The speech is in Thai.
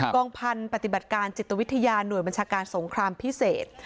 กองพันธุ์ปฏิบัติการจิตวิทยาหน่วยบัญชาการสงครามพิเศษ